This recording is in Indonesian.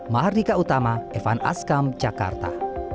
mahardika utama evan askam jakarta